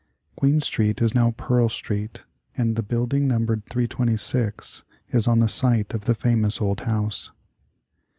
Queen Street is now Pearl Street and the building numbered 326 is on the site of the famous old house.